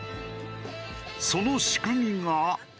その仕組みが。